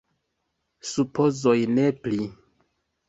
Supozoj, ne pli.